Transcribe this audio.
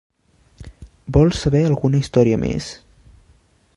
Vol saber alguna història més?